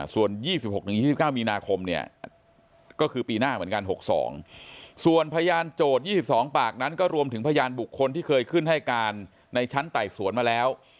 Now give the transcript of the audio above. ส่วน๒๖๒๙มีนาคมเนี่ยก็คือปีหน้าเหมือนกัน๖๒ส่วนพยานโจทย์๒๒ปากนั้นก็รวมถึงพยานบุคคลที่เคยขึ้นให้การในชั้นไต่สวนมาแล้ว